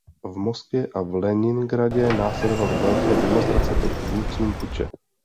V Moskvě a v Leningradě následovaly velké demonstrace proti vůdcům puče.